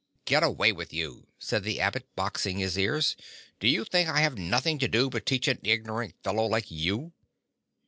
"Get away with you," said the Ab bot boxing his ears ; "do you think I have nothing to do but teach an ignorant fellow like you?"